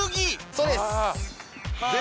そうですで？